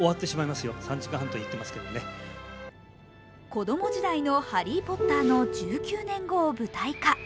子供時代のハリー・ポッターの１９年後を舞台化。